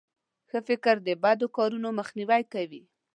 ښه فکر د بدو کارونو مخنیوی کوي.